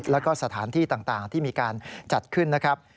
แล้วก็สถานที่ต่างที่มีการจัดขึ้นนะครับ